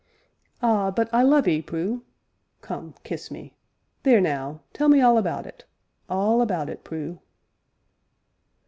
"Ah! but I love 'ee, Prue come, kiss me theer now, tell me all about it all about it, Prue."